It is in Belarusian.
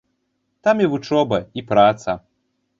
Там і вучоба, і праца.